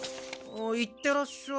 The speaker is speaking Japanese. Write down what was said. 行ってらっしゃい。